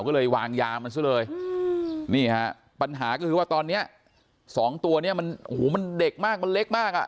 ก็เลยวางยามันใช่มั้ยเนี่ยปัญหาก็ว่าตอนนี้๒ตัวนี้มันเด็กมากเล็กมาก